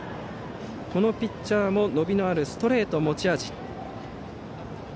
このピッチャーも伸びのあるストレートが持ち味。